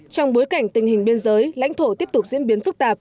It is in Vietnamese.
trong bối cảnh tình hình biên giới lãnh thổ tiếp tục diễn biến phức tạp